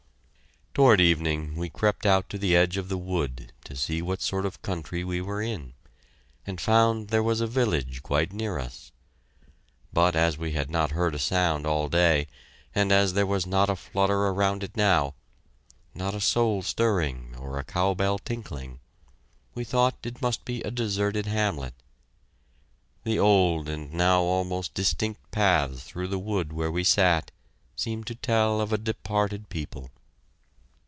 Toward evening we crept out to the edge of the wood to see what sort of country we were in and found there was a village quite near us. But as we had heard not a sound all day, and as there was not a flutter around it now, not a soul stirring or a cow bell tinkling, we thought it must be a deserted hamlet. The old and now almost indistinct paths through the wood where we sat seemed to tell of a departed people.